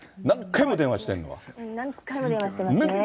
何回も電話してますね。